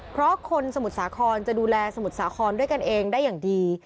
เพราะคนสมุทรสาครจะดูแลสมุทรสาครด้วยกันเองได้อย่างดี